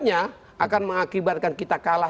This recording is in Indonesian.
akan mengakibatkan kita kalah